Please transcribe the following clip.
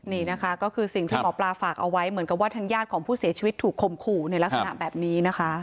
นี่นะคะก็คือสิ่งที่หมอปลาฝากเอาไว้เหมือนกับว่าทางญาติของผู้เสียชีวิตถูกคมขู่ในลักษณะแบบนี้นะคะ